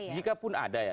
jika pun ada ya